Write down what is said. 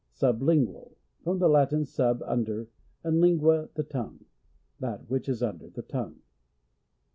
Sublingual. — From the Latin, sub, under, and lingua, the tongue. That which is under the tongue.